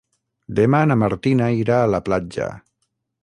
Demà na Martina irà a la platja.